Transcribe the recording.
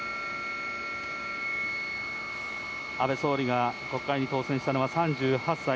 安倍総理が国会に当選したのは３８歳。